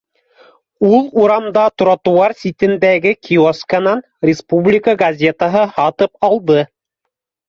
Ул урамда тротуар ситендәге киоскынан республика газетаһы һатып алды